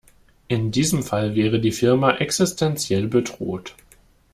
In diesem Fall wäre die Firma existenziell bedroht.